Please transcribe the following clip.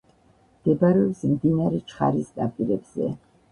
მდებარეობს მდინარე ჩხარის ნაპირებზე.